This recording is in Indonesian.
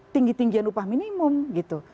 tinggi tinggian upah minimum gitu